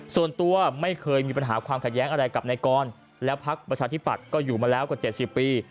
ส่วนตัวไม่เคยมีปัญหาความขัดแย้งอะไรกับนายกรและพักประชาธิปัตย์ก็อยู่มาแล้วกว่า๗๐ปี